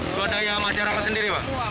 swadaya masyarakat sendiri pak